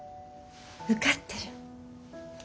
受かってる。